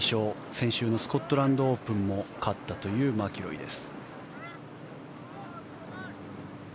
先週のスコットランドオープンも勝ったというマキロイです。